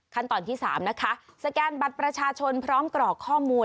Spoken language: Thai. ขั้นตอนที่๓นะคะสแกนบัตรประชาชนพร้อมกรอกข้อมูล